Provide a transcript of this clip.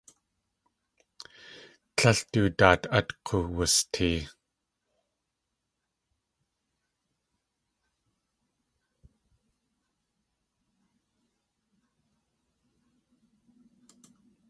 Tlél du daat át k̲uwustee.